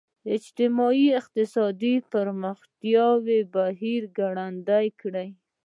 اجتماعي اقتصادي پرمختیايي بهیر ګړندی کړي.